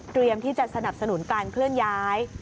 ที่จะสนับสนุนการเคลื่อนย้าย